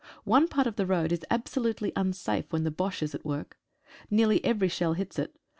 One part of the road is absolutely un safe, when the Bosche is at work. Nearly every shell hits it.